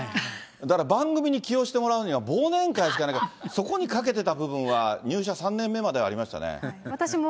だから番組に起用してもらうには、忘年会しかないから、そこに懸けてた部分は、入社３年目まではありましたね。